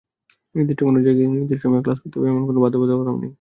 নির্দিষ্ট কোনো জায়গায় গিয়ে নির্দিষ্ট সময়ে ক্লাস করতে হবে—এমন কোনো বাধ্যবাধকতাও নেই।